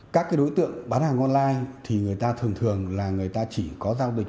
các đối tượng bán hàng online thì người ta thường thường là người ta chỉ có giao dịch